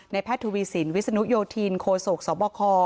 แพทย์ทวีสินวิศนุโยธินโคศกสบค